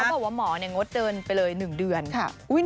เขาบอกว่าหมอเนี่ยงดเดินไปเลย๑เดือน